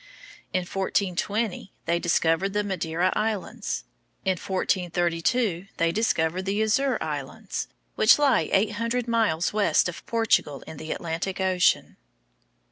In 1420 they discovered the Madeira Islands. In 1432 they discovered the Azore Islands, which lie eight hundred miles west of Portugal in the Atlantic Ocean.